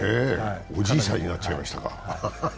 おじいさんになっちゃいましたか。